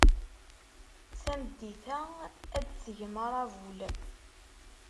Tameddit-a, ad d-tgem aṛabul.